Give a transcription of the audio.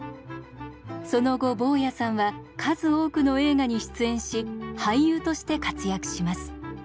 その後坊屋さんは数多くの映画に出演し俳優として活躍します。